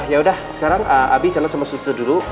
yaudah sekarang abi jalan sama suster dulu